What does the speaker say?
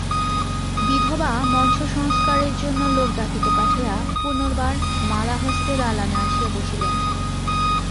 বিধবা মঞ্চসংস্কারের জন্য লোক ডাকিতে পাঠাইয়া পুনর্বার মালাহস্তে দালানে আসিয়া বসিলেন।